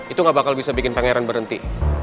itu gak bakal bisa bikin pangeran berhenti